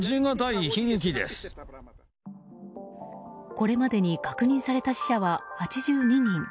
これまでに確認された死者は８２人。